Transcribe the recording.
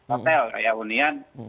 hotel ya unian